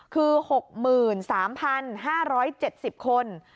คือ๖๓๕๗๐คน